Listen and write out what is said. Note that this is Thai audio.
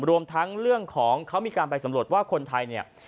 รวมทั้งเรื่องของเขามีการไปสำรวจว่าคนไทยเนี่ย